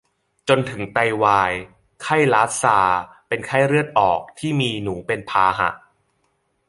จนถึงไตวาย ไข้ลาสซาเป็นไข้เลือดออกที่มีหนูเป็นพาหะ